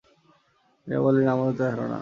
মীরা বললেন, আমারও তাই ধারণা।